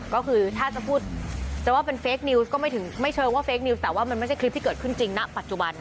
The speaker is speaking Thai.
ก็คือถ้าจะพูดจะว่าเป็นเฟคนิวส์ก็ไม่ถึงไม่เชิงว่าเฟคนิวส์แต่ว่ามันไม่ใช่คลิปที่เกิดขึ้นจริงณปัจจุบัน